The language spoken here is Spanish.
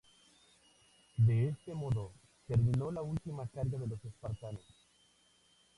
De este modo terminó la última carga de los espartanos.